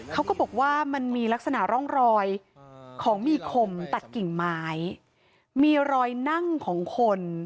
เขาก็บอกว่ามันมีลักษณะร่องรอยของมีคมตัดกิ่งไม้มีรอยนั่งของคน